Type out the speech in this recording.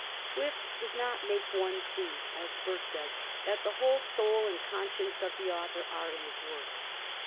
Swift does not make one see, as Burke does, that the whole soul and conscience of the author are in his work.